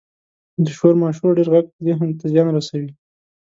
• د شور ماشور ډېر ږغ ذهن ته زیان رسوي.